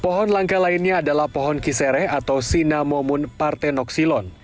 pohon langka lainnya adalah pohon kisere atau sinamomun partenoksilon